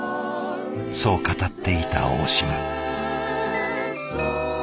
そう語っていた大島。